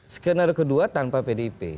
skenario kedua tanpa pdip